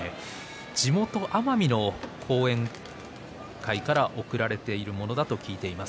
地元奄美の後援会から贈られたものだと聞いています。